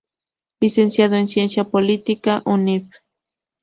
Licenciado en Ciencia Política, Univ.